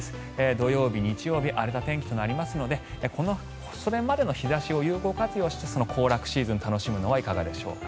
土曜日、日曜日荒れた天気となりますのでそれまでの日差しを有効活用して行楽シーズンを楽しむのはいかがでしょうか。